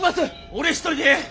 俺一人でええ。